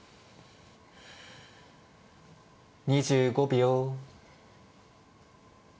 ２５秒。